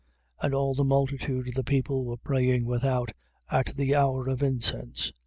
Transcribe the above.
1:10. And all the multitude of the people was praying without, at the hour of incense. 1:11.